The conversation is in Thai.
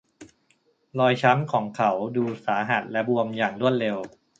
รอยช้ำของเขาดูสาหัสและบวมอย่างรวดเร็ว